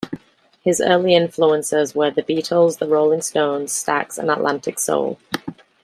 His early influences were The Beatles, The Rolling Stones, Stax and Atlantic Soul.